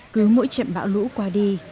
cứ mỗi trận bão lũ qua đi